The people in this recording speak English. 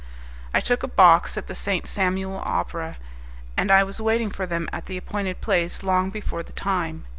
I took a box at the St. Samuel Opera, and I was waiting for them at the appointed place long before the time.